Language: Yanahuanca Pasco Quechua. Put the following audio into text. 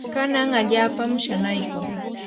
kan allaapam shanaykun.